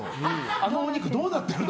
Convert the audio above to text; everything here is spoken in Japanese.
あのお肉、どうなってるの？